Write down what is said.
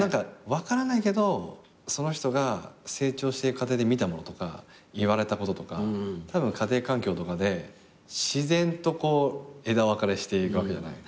分からないけどその人が成長していく過程で見たものとか言われたこととかたぶん家庭環境とかで自然とこう枝分かれしていくわけじゃない？